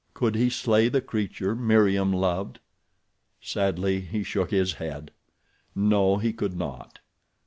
Could he slay the creature Meriem loved? Sadly he shook his head. No, he could not.